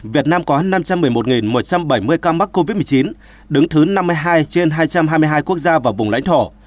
việt nam có năm trăm một mươi một một trăm bảy mươi ca mắc covid một mươi chín đứng thứ năm mươi hai trên hai trăm hai mươi hai quốc gia và vùng lãnh thổ